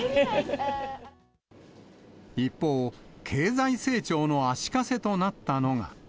一方、経済成長の足かせとなったのが。